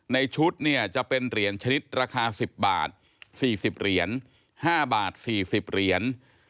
ในชุดเนี่ยจะเป็นเหรียญชนิดราคา๑๐บาท๔๐เหรียญ๕บาท๔๐เหรียญ